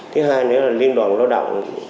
thứ hai nữa là liên đoàn lao động